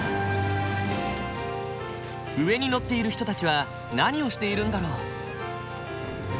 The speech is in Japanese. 上に乗っている人たちは何をしているんだろう？